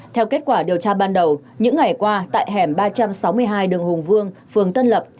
theo kết quả điều tra ban đầu những ngày qua tại hẻm ba trăm sáu mươi hai đường hùng vương phường tân lập